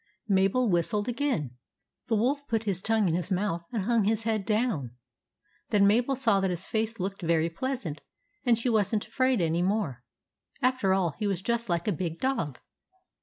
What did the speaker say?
Mabel whistled again. The wolf put his tongue in his mouth and hung his head down. Then Mabel saw that his face looked very pleasant, and she was n't afraid any more. After all, he was just like a big dog.